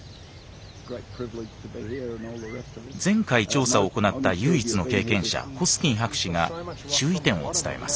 前回調査を行った唯一の経験者ホスキン博士が注意点を伝えます。